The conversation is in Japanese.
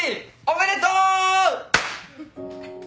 おめでとう。